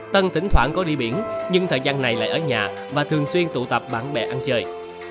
tân thỉnh thoảng có đi biển nhưng thời gian này lại ở nhà và thường xuyên tụ tập bạn bè ăn chơi